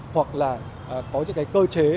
hoặc là có những cơ chế